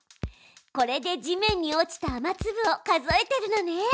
これで地面に落ちた雨つぶを数えてるのね。